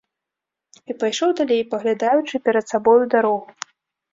І пайшоў далей, паглядаючы перад сабой у дарогу.